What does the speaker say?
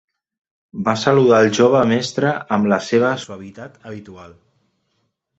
Va saludar el jove mestre amb la seva suavitat habitual.